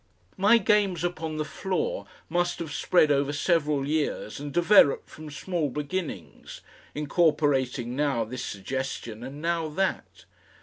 My games upon the floor must have spread over several years and developed from small beginnings, incorporating now this suggestion and now that.